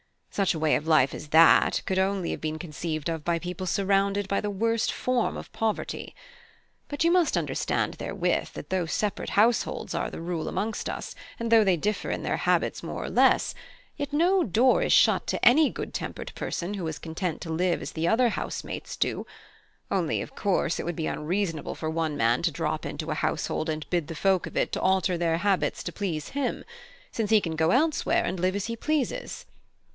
Such a way of life as that, could only have been conceived of by people surrounded by the worst form of poverty. But you must understand therewith, that though separate households are the rule amongst us, and though they differ in their habits more or less, yet no door is shut to any good tempered person who is content to live as the other house mates do: only of course it would be unreasonable for one man to drop into a household and bid the folk of it to alter their habits to please him, since he can go elsewhere and live as he pleases.